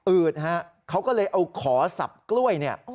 อืดครับเขาก็เลยเอาขอสับกล้วย